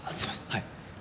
はい。